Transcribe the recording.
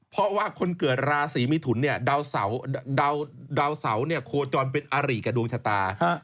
เพราะว่าคนเกิดราศีมิถุนเนี่ยดาวเสาเนี่ยโคจรเป็นอาริกับดวงชะตา